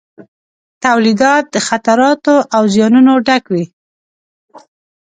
تولیدات د خطراتو او زیانونو ډک وي.